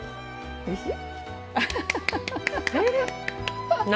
おいしい。